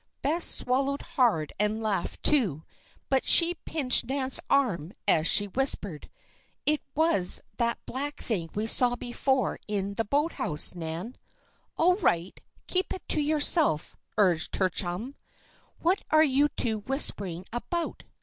Bess swallowed hard and laughed, too; but she pinched Nan's arm as she whispered: "It was that black thing we saw before in the boathouse, Nan." "All right. Keep it to yourself," urged her chum. "What are you two whispering about?"